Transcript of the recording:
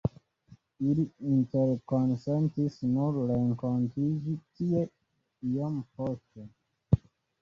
Ili interkonsentis nur renkontiĝi tie iom poste.